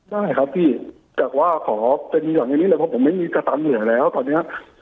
ได้ครับพี่แต่ว่าขอเป็นอย่างอย่างนี้แหละเพราะผมไม่มีตังเหลือแล้วตอนเนี้ย